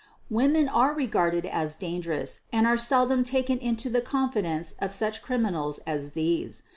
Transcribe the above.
Women are regarded as dangerous and are sel dom taken into the confidence of such criminals as these.